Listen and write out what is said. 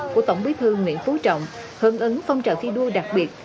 của tổng bí thư nguyễn phú trọng hưởng ứng phong trợ thi đua đặc biệt